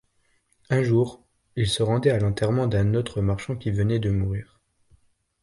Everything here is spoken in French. Un jour, il se rendit à l'enterrement d'un autre marchand qui venait de mourir.